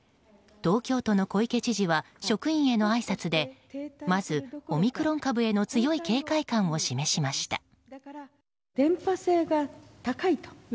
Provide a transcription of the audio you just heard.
東京都の小池知事は職員へのあいさつでまず、オミクロン株への強い警戒感を示しました。